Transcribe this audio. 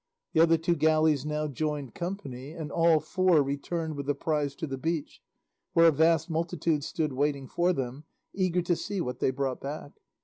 The other two galleys now joined company and all four returned with the prize to the beach, where a vast multitude stood waiting for them, eager to see what they brought back.